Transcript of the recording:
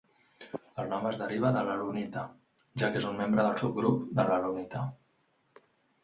El nom es deriva de l'alunita, ja que és un membre del subgrup de l'alunita.